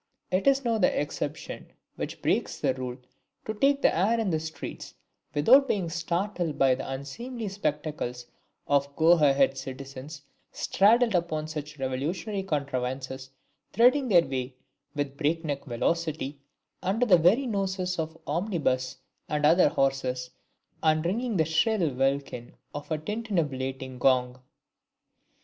It is now the exception which breaks the rule to take the air in the streets without being startled by the unseemly spectacles of go ahead citizens straddled upon such revolutionary contrivances, threading their way with breakneck velocity under the very noses of omnibus and other horses, and ringing the shrill welkin of a tintinnabulating gong!